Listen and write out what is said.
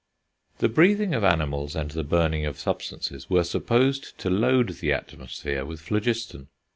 The breathing of animals and the burning of substances were supposed to load the atmosphere with phlogiston.